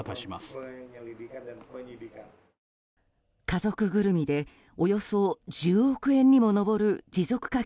家族ぐるみでおよそ１０億円にも上る持続化